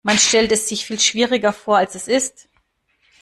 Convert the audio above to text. Man stellt es sich viel schwieriger vor, als es ist.